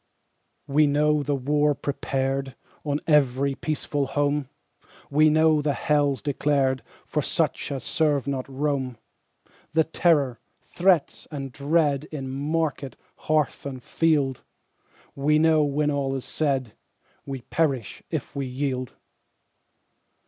We know the war prepared On every peaceful home, We know the hells declared For such as serve not Rome The terror, threats, and dread In market, hearth, and field We know, when all is said, We perish if we yield.